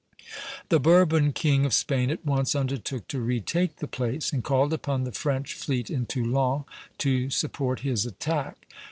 The Bourbon king of Spain at once undertook to retake the place, and called upon the French fleet in Toulon to support his attack.